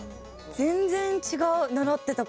全然違う習ってた事と。